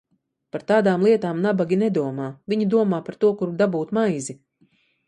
Par tādām lietām nabagi nedomā – viņi domā par to, kur dabūt maizi.